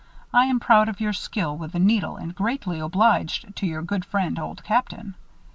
I am proud of your skill with the needle and greatly obliged to your good friend, Old Captain.